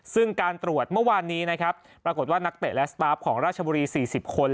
ซึ่งการตรวจเมื่อวานนี้นะครับปรากฏว่านักเตะและสตาฟของราชบุรี๔๐คน